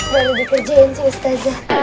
baru dikerjain sih ustazah